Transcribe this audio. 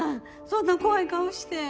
そんな怖い顔して。